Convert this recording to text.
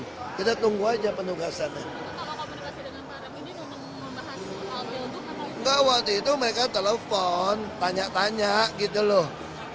ditugaskan kita tunggu aja penugasannya nggak waktu itu mereka telepon tanya tanya gitu loh